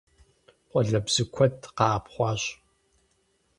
Къуалэбзу куэд къэӀэпхъуащ.